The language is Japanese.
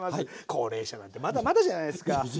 高齢者なんてまだまだじゃないですか。